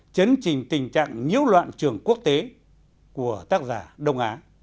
chấn trình tình trạng nhiễu loạn trường quốc tế của tác giả đông á